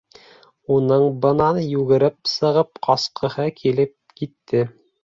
Уның бынан йүгереп сығып ҡасҡыһы килеп китте.